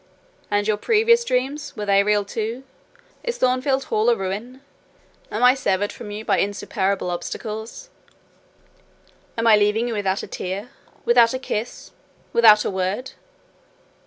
"And your previous dreams, were they real too? Is Thornfield Hall a ruin? Am I severed from you by insuperable obstacles? Am I leaving you without a tear—without a kiss—without a word?"